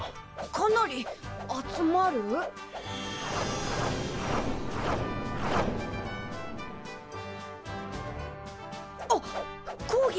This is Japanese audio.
かなり集まる？あっ講義！